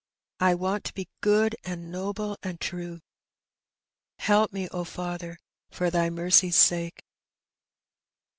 I want to be good^ and noble^ and true. Help me, O Father, for Thy mercy's sake.''